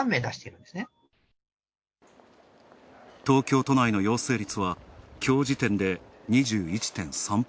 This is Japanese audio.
東京都内の陽性率は、今日時点で２１．３％。